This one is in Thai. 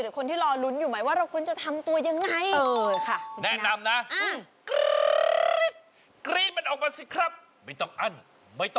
คนที่รอลุ้นอยู่ไหมว่าเราควรจะทำตัวยังไง